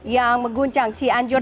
yang mengguncang cianjur